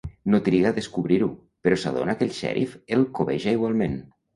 No triga a descobrir-ho, però s'adona que el xèrif el cobeja igualment.